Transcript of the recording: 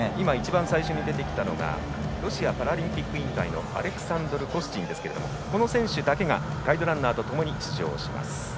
最初に出てきたのがロシアパラリンピック委員会のアレクサンドル・コスチンですがこの選手だけがガイドランナーとともに出場します。